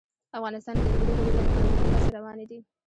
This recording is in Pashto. افغانستان کې د اوږده غرونه د پرمختګ هڅې روانې دي.